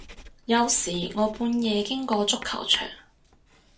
有時我半夜經過足球場